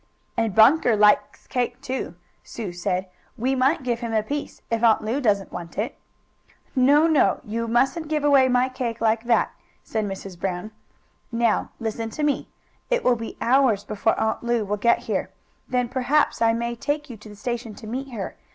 "And Bunker likes cake, too," Sue said. "We might give him a piece, if Aunt Lu doesn't want it." "No, no! You musn't give away my cake like that," said Mrs. Brown. "Now listen to me. It will be hours before Aunt Lu will get here. Then, perhaps, I may take you to the station to meet her.